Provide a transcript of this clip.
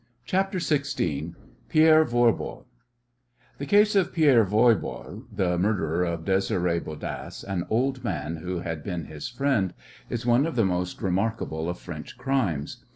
CHAPTER XVI PIERRE VOIRBO The case of Pierre Voirbo, the murderer of Désiré Bodasse, an old man who had been his friend, is one of the most remarkable of French crimes.